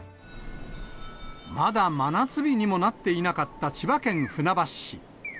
まだ真夏日にもなっていなかった千葉県船橋市。